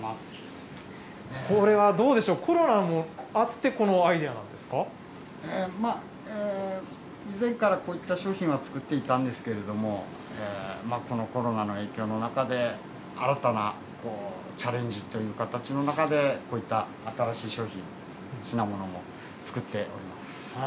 これはどうでしょう、コロナ以前からこういった商品は作っていたんですけれども、このコロナの影響の中で新たなチャレンジという形の中で、こういった新しい商品、品物も作っております。